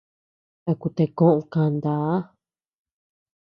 A kutea koʼod kantaa.